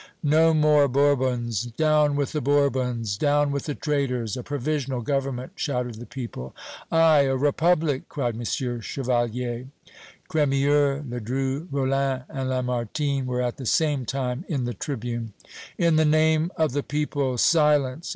"No more Bourbons! Down with the Bourbons! Down with the traitors! A provisional government!" shouted the people. "Aye, a Republic!" cried M. Chevalier. Crémieux, Ledru Rollin and Lamartine were at the same time in the tribune. "In the name of the people, silence!"